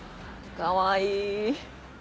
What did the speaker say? かわいい。